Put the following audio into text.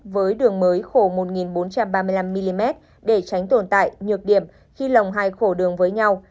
với khổ một bốn trăm ba mươi năm mm để tránh tồn tại nhược điểm khi lòng hai khổ đường với nhau